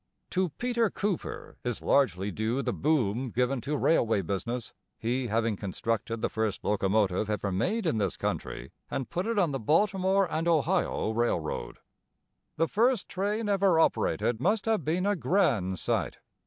To Peter Cooper is largely due the boom given to railway business, he having constructed the first locomotive ever made in this country, and put it on the Baltimore & Ohio railroad. The first train ever operated must have been a grand sight.